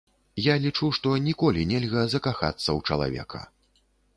Я лічу, што ніколі нельга закахацца ў чалавека.